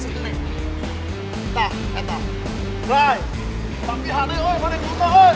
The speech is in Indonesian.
tidak pernah kalah